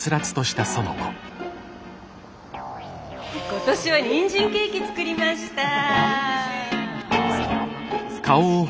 今年はにんじんケーキ作りました。